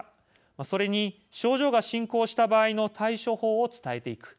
それに、症状が進行した場合の対処法を伝えていく。